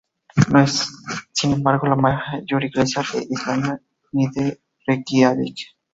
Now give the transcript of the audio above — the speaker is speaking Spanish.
No es, sin embargo, la mayor iglesia de Islandia ni de Reikiavik.